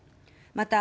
また、